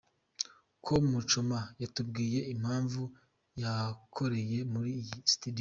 com Muchoma yatubwiye impamvu yakoreye muri iyi studio.